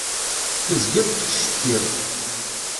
Tezgiḍ tettcetkiḍ.